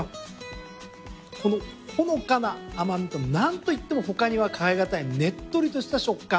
このほのかな甘みと何といっても他には代え難いねっとりとした食感。